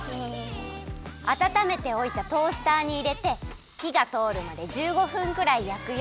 あたためておいたトースターにいれてひがとおるまで１５分くらいやくよ。